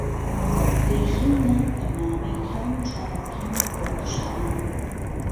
دهیخهینه بهرنامهی کار و چالاکی و خۆبهخشانه